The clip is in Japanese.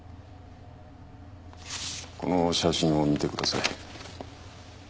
この写真を見てください